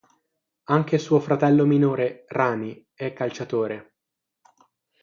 Anche suo fratello minore Rani è calciatore.